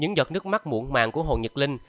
những giọt nước mắt muộn màng của hồ nhật linh